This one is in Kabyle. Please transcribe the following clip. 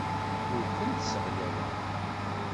Ur kent-sseɣyaleɣ.